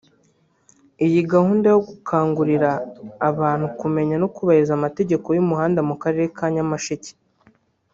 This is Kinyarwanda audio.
Iyi gahunda yo gukangurira abantu kumenya no kubahiriza amategeko y’umuhanda mu karere ka Nyamasheke